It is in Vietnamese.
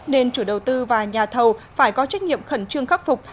nên chủ đầu tư và nhà thầu phải có trách nhiệm khẩn trương khắc phục